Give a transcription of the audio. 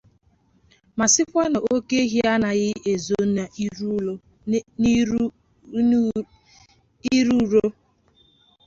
ma sịkwa na oke ehi anaghị ezo n'irùrò